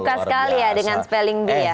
suka sekali ya dengan spelling bee ya